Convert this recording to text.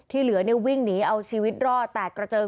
ที่เหลือในวิ่งนี้เอาชีวิตรอบแตดกระเจิน